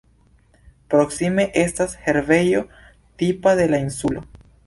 Proksime estas herbejo, tipa de la insulo.